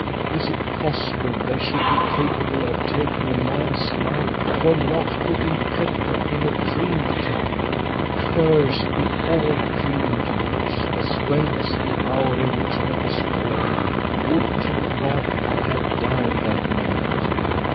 Is it possible they should be capable of taking a man's life for not putting pepper in a cream tart? Cursed be all cream tarts, as well as the hour in which I was born! Would to God l had died that minute!"